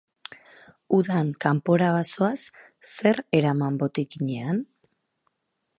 Udan kanpora bazoaz, zer eraman botikinean?